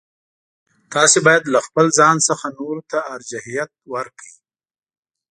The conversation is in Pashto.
تاسو باید له خپل ځان څخه نورو ته ارجحیت ورکړئ.